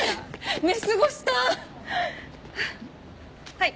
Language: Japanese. はい。